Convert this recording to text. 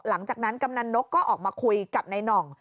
หลังจากนั้นกำนันนกก็ออกมาคุยกับในนอง